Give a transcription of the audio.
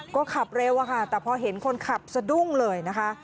ก็ขับเร็วอะค่ะแต่พอเห็นคนขับสะดุ้งเลยนะคะ